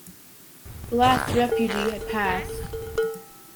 The last refugee had passed.